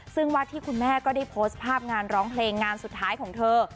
ซึ่งวัดที่คุณแม่ก็ได้โพสต์ภาพงานร้องเพลงงานสุดท้ายของเธอ